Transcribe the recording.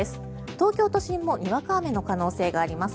東京都心もにわか雨の可能性があります。